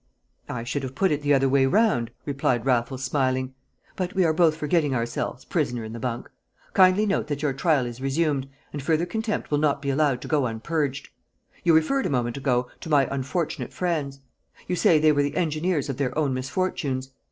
"I should have put it the other way round," replied Raffles, smiling. "But we are both forgetting ourselves, prisoner in the bunk. Kindly note that your trial is resumed, and further contempt will not be allowed to go unpurged. You referred a moment ago to my unfortunate friends; you say they were the engineers of their own misfortunes.